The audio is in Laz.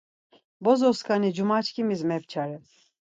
Bozoskani cumaçkimis mepçare.